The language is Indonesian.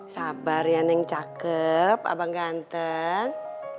sabar ya neng cakep abang ganteng